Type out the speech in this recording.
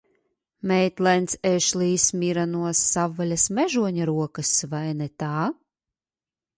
Meitlends Ešlijs mira no savvaļas mežoņa rokas, vai ne tā?